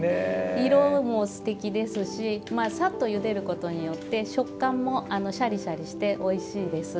色もすてきですしさっとゆでることによって食感もシャリシャリしておいしいです。